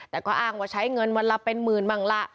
แต่ก็อ้างว่าใช้เงินวันละเป็นหมื่นบ้างล่ะ